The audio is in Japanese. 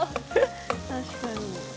確かに。